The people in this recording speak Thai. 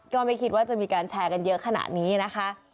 ก็ไม่คิดว่าจะมีการแชร์กันเยอะขนาดนี้นะคะ